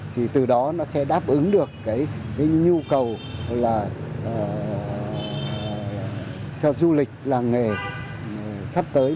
thì từ đó nó sẽ đáp ứng được cái nhu cầu là cho du lịch làng nghề sắp tới